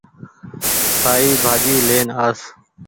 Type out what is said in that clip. سآئي ڀآجي لين آس